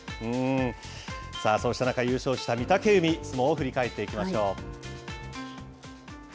さあ、そうした中優勝した御嶽海、相撲を振り返っていきましょう。